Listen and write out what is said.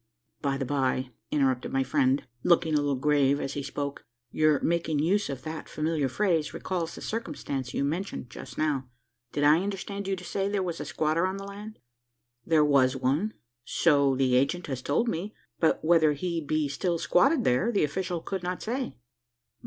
"By the by," interrupted my friend, looking a little grave as he spoke, "your making use of that familiar phrase, recalls the circumstance you mentioned just now. Did I understand you to say, there was a squatter on the land?" "There was one so the agent has told me; but whether he be still squatted there, the official could not say."